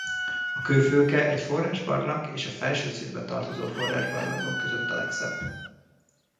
A kőfülke egy forrásbarlang és a felső szintbe tartozó forrásbarlangok között a legszebb.